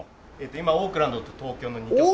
今オークランドと東京の２店舗。